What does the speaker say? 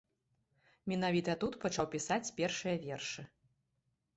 Менавіта тут пачаў пісаць першыя вершы.